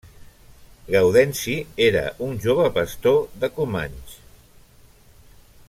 Gaudenci era un jove pastor de Comenge.